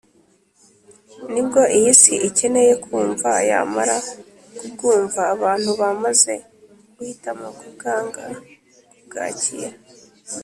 Nibwo iy‟isi ikeneye kumva yamara kubwumva abantu bamaze guhitamo kubwanga kubwakira